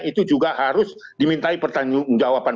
itu juga harus dimintai pertanggungjawaban